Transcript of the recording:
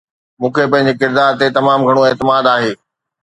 مون کي پنهنجي ڪردار تي تمام گهڻو اعتماد آهي